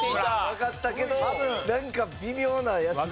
わかったけどなんか微妙なやつ。